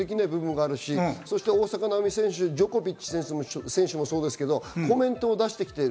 大坂なおみ選手、ジョコビッチ選手もそうですけどコメントを出してきている。